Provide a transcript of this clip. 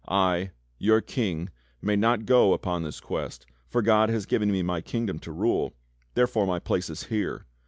^ I, your King, may not go upon this Quest, for God has given me my kingdom to rule, therefore my place is here.